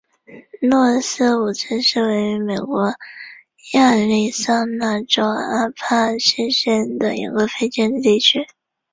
诺斯伍兹是位于美国亚利桑那州阿帕契县的一个非建制地区。